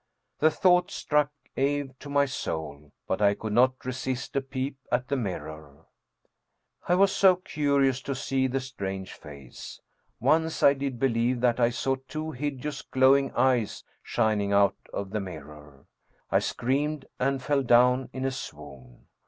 The thought struck awe to my soul, but I could not resist a peep at the mirror, I was so curious to see the strange face. Once I did be 142 Ernest Theodor Amadeus Hoffmann lieve that I saw two hideous glowing eyes shining out of the mirror. I screamed and fell down in a swoon.